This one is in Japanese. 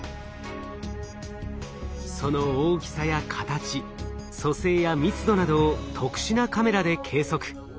その大きさや形組成や密度などを特殊なカメラで計測。